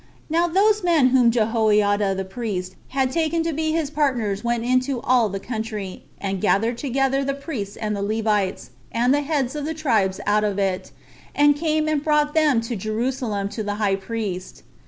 Now those men whom Jehoiada the priest had taken to be his partners went into all the country, and gathered together the priests and the Levites, and the heads of the tribes out of it, and came and brought them to Jerusalem to the high priest.